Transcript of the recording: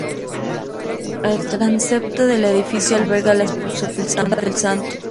El transepto del edificio alberga la sepultura del santo.